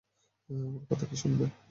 আমার কথা কি শুনবে না?